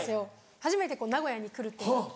初めて名古屋に来るってなって。